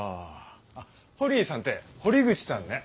あホリーさんって堀口さんね。